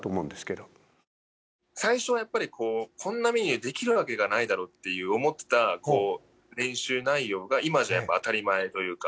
最初はやっぱりこんなメニューできるわけがないだろって思っていた練習内容が今じゃ当たり前というか。